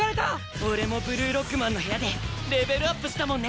俺もブルーロックマンの部屋でレベルアップしたもんね！